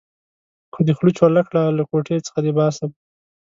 که دې خوله چوله کړه؛ له کوټې څخه دې باسم.